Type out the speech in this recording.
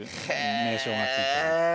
名称が付いてます。